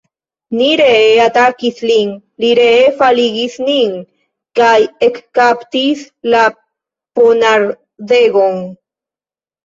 Ni ree atakis lin, li ree faligis nin kaj ekkaptis la ponardegon.